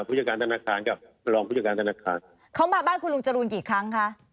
ผู้จัดการธนาคารกับรองผู้จัดการธนาคารเขามาบ้านคุณลุงจรูนกี่ครั้งคะ